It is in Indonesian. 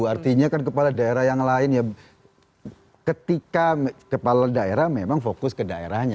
artinya kan kepala daerah yang lain ya ketika kepala daerah memang fokus ke daerahnya